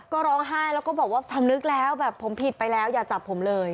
ก็ร้องไห้แล้วก็บอกว่าสำนึกแล้วแบบผมผิดไปแล้วอย่าจับผมเลย